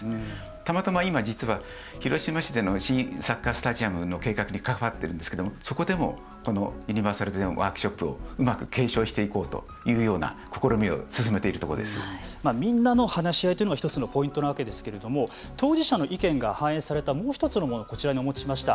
たまたま今、実は広島市での新サッカースタジアムの計画に関わっているんですけれどもそこでもこのユニバーサルデザインワークショップをというような試みをみんなの話し合いというのが１つのポイントなわけですけど当事者意見が反映されたもう一つのものをこちらにお持ちしました。